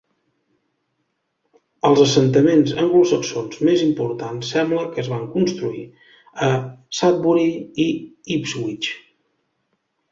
Els assentaments anglosaxons més importants sembla que es van construir a Sudbury i Ipswich.